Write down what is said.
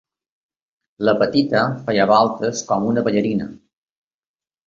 La petita feia voltes com una ballarina.